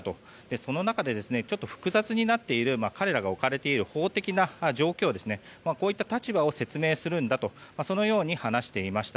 その中で、複雑になっている彼らが置かれている法的な状況こういった立場を説明するんだと話していました。